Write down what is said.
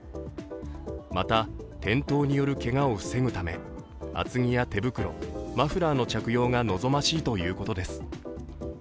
また転倒によるけがを防ぐため厚着や手袋、マフラーの着用が望ましいということです。